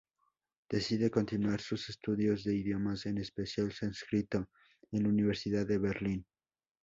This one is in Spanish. Decide continuar sus estudios de idiomas, en especial sánscrito, en la Universidad de Berlín.